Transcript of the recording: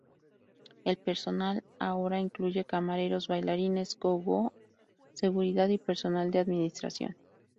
El personal ahora incluye camareros, bailarines go-go, seguridad y personal de administración.